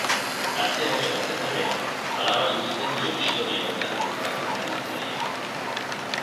Atzean geratzen da bera, alabari uzten dio istorioa hautatu bezala konta diezaien.